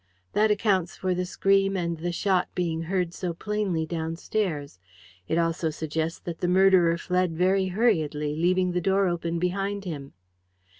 "That accounts for the scream and the shot being heard so plainly downstairs. It also suggests that the murderer fled very hurriedly, leaving the door open behind him."